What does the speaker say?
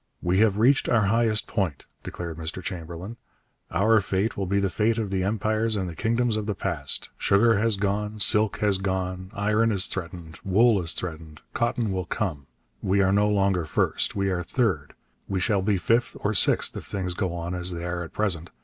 'We have reached our highest point,' declared Mr Chamberlain. 'Our fate will be the fate of the empires and the kingdoms of the past.... Sugar has gone, silk has gone, iron is threatened, wool is threatened, cotton will come.... We are no longer first. We are third. We shall be fifth or sixth if things go on as they are at present....